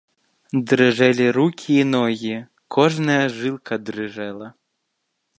Дрыжэлі рукі і ногі, кожная жылка дрыжэла.